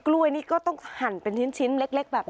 กล้วยนี่ก็ต้องหั่นเป็นชิ้นเล็กแบบ